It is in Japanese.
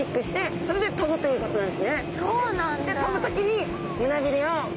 そうなんです。